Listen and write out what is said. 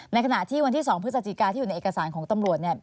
ในขณะที่วันที่๒พฤศจิกาที่อยู่ในเอกสารของตำรวจเนี่ย